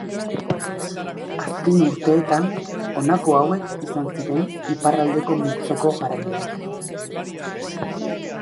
Azken urteetan honako hauek izan ziren iparraldeko multzoko garaileak.